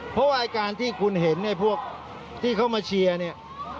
เพราะว่าการที่คุณเห็นไอ้พวกที่เขามาเชียร์เนี่ย